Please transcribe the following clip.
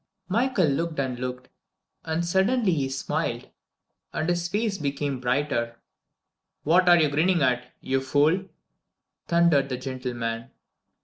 Michael looked and looked, and suddenly he smiled, and his face became brighter. "What are you grinning at, you fool?" thundered the gentleman.